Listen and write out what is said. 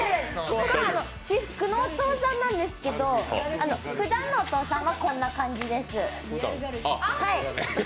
これ、私服のお父さんなんですけどふだんのお父さんはこんな感じです。